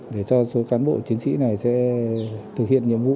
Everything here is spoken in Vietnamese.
để cho số cán bộ chiến sĩ này sẽ thực hiện nhiệm vụ